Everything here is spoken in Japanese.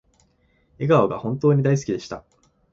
笑顔が本当に大好きでした